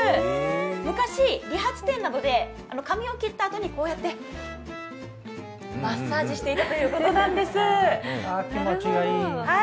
昔、理髪店などで髪を切ったあとにマッサージをしていたということなんです。